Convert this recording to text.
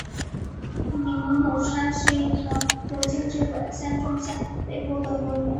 铃鹿川是一条流经日本三重县北部的河流。